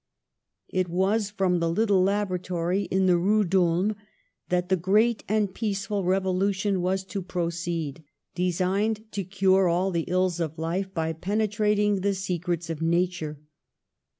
It was from 52 PASTEUR the little laboratory in the Rue d'Ulm that the great and peaceful revolution was to proceed, designed to cure all the ills of life by penetrat ing the secrets of nature.